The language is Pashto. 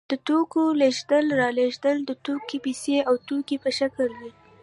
د توکو لېږد رالېږد د توکي پیسې او توکي په شکل وي